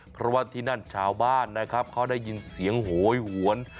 เพราะว่าที่นั่นชาวบ้านนะครับเขาได้ยินเสียงโหยหวน